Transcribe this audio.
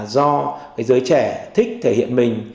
do cái giới trẻ thích thể hiện mình